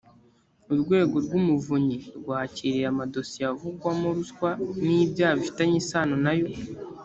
urwego rw’umuvunyi rwakiriye amadosiye avugwamo ruswa n’ibyaha bifitanye isano nayo.